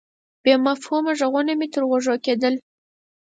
بې مفهومه ږغونه مې تر غوږ کېدل.